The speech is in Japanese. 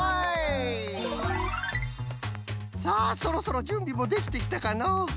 さあそろそろじゅんびもできてきたかのう。